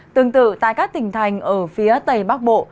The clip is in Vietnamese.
tương tự tại các tỉnh thành ở phía tây bắc bộ